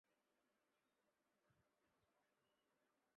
为松本市的。